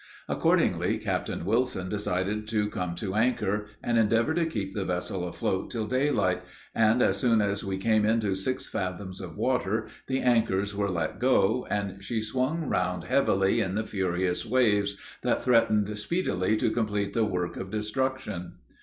Accordingly, Captain Wilson decided to come to anchor, and endeavor to keep the vessel afloat till daylight; and as soon as we came into six fathoms water the anchors were let go, and she swung round heavily in the furious waves, that threatened speedily to complete the work of destruction.